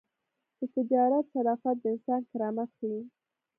د تجارت شرافت د انسان کرامت ښيي.